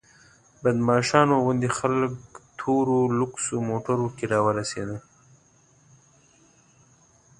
بدماشانو غوندې خلک تورو لوکسو موټرو کې راورسېدل.